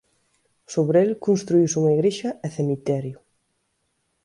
Sobre el construíuse unha igrexa e cemiterio.